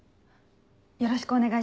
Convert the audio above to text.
よろしくお願いします。